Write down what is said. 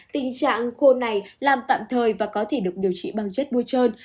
tình trạng khô này làm tạm thời và có thể được điều trị bằng vết bôi trơn